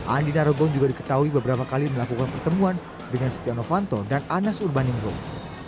andi narogong juga diketahui beberapa kali melakukan pertemuan dengan setia novanto dan anas urbaningrum